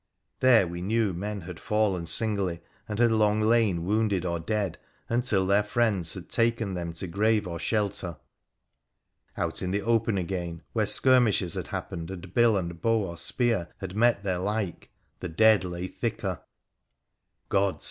There we knew men had fallen singly, and had long lain wounded or dead, until their friends had taken them to grave or shelter. Out in the open again, where skirmishes had happened and bill and bow or spear had met their like, the dead lay thicker. Gods !